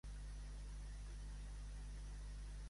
Qui va ser Cirene?